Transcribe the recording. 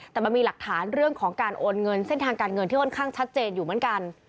แต่มันมีหลักฐานเรื่องของการโอนเงินเส้นทางการเงินที่ค่อนข้างชัดเจนอยู่เหมือนกัน